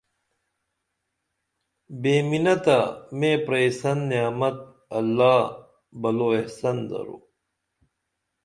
بے منتہ میں پرئیسن نعمت اللہ بلو احسن درو